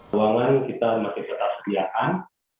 ruangan kita masih berpakaian